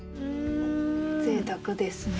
ぜいたくですね。